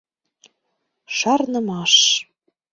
Шарнымаш